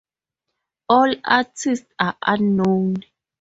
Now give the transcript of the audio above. All artists are unknown.